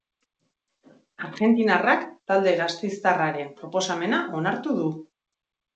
Argentinarrak talde gasteiztarraren proposamena onartu du.